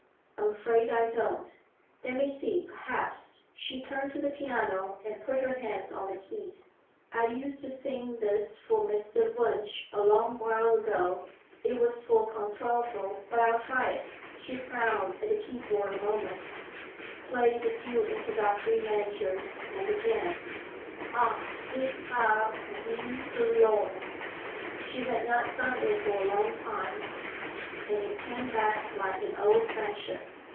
"I'm afraid I don't. Let me see—Perhaps," she turned to the piano and put her hands on the keys. "I used to sing this for Mr. Wunsch a long while ago. It's for contralto, but I'll try it." She frowned at the keyboard a moment, played the few introductory measures, and began: "Ach, ich habe sie verloren," She had not sung it for a long time, and it came back like an old friendship.